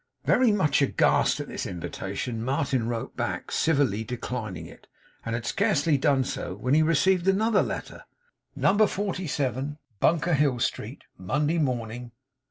Very much aghast at this invitation, Martin wrote back, civilly declining it; and had scarcely done so, when he received another letter. 'No. 47, Bunker Hill Street, 'Monday Morning.